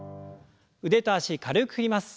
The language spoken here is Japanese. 腕と脚軽く振ります。